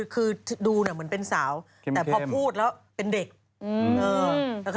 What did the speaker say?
คือดูเหมือนเป็นสาวแต่พอพูดแล้วเป็นเด็ก